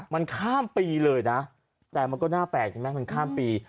มันข้ามปีเลยนะแต่มันก็น่าแปลกเห็นไหมมันข้ามปี